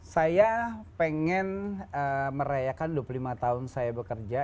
saya pengen merayakan dua puluh lima tahun saya bekerja